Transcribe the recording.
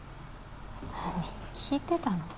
何聞いてたの？